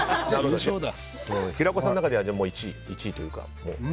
平子さんの中では１位というか。